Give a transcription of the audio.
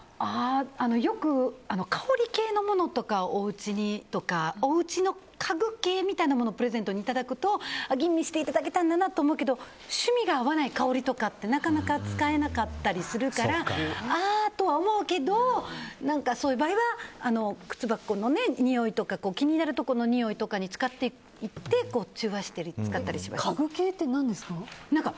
よく香り系のものとかおうちにとかおうちの家具系みたいなものをプレゼントにいただくと、吟味していただけたんだなと思うけど趣味が合わない香りとかってなかなか使えなかったりするからああとは思うけどそういう場合は靴箱のにおいとか気になるところのにおいとかに使っていって、中和して家具系ってなんですか？